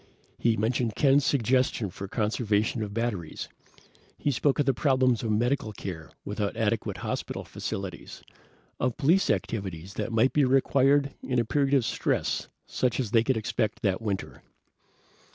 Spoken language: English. He mentioned Ken's suggestion for conservation of batteries. He spoke of the problems of medical care without adequate hospital facilities, of police activities that might be required in a period of stress such as they could expect that winter.